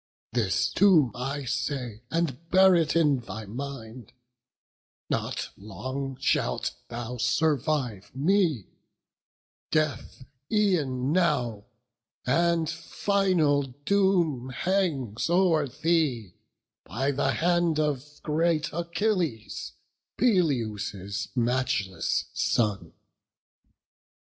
This too I say, and bear it in thy mind; Not long shalt thou survive me; death e'en now And final doom hangs o'er thee, by the hand Of great Achilles, Peleus' matchless son."